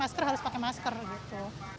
masker harus pakai masker gitu